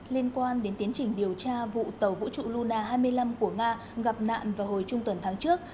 liên quan đến tiến trình điều tra vụ tàu vũ trụ luna hai mươi năm của nga gặp nạn vào hồi trung tuần tháng trước